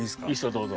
どうぞ。